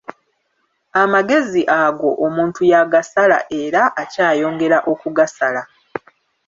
Amagezi ago omuntu y'agasala, era akyayongera okugasala.